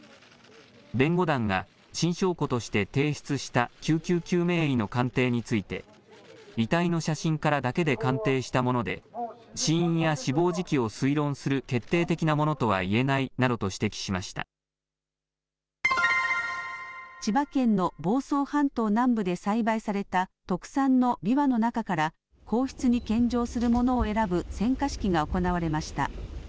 弁護団が新証拠として提出した救急救命医の鑑定について、遺体の写真からだけで鑑定したもので、死因や死亡時期を推論する決定的なものとは言えないなどと指摘し千葉県の房総半島南部で栽培された、特産のびわの中から、皇室に献上するものを選ぶ選果式が行われました。